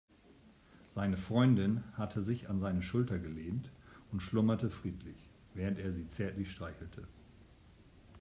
Seine Freundin hatte sich an seine Schulter gelehnt und schlummerte friedlich, während er sie zärtlich streichelte.